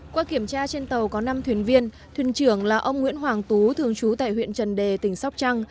qua kiểm tra trên tàu có năm thuyền viên thuyền trưởng là ông nguyễn hoàng tú thường trú tại huyện trần đề tỉnh sóc trăng